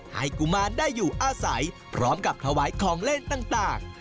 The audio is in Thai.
กุมารได้อยู่อาศัยพร้อมกับถวายของเล่นต่าง